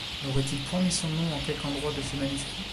N’aurait-il point mis son nom en quelque endroit de ce manuscrit ?